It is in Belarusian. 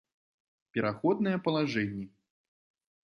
Пераходныя палажэннi